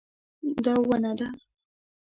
دا ونه ده